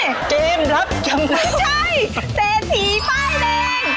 เกมรับจำนำไม่ใช่เสพีฝ้าแดง